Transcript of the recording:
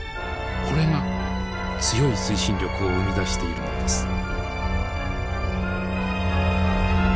これが強い推進力を生み出しているのです。